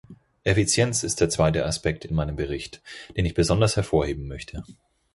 Effizienz ist der zweite Aspekt in meinem Bericht, den ich besonders hervorheben möchte.